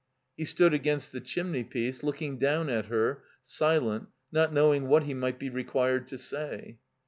He stood against the chim ney piece, looking down at her, silent, not knowing what he might be required to say.